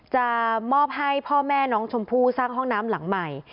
จะมอบให้พ่อแม่น้องชมพู่สร้างห้องน้ำหลังใหม่